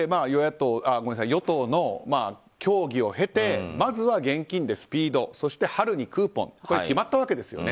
与党の協議を経てまずは現金でスピードそして春にクーポンと決まったわけですよね。